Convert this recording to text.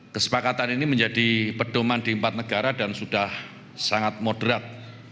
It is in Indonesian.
kesepakatan ini menjadi pedoman di empat negara dan sudah sangat moderat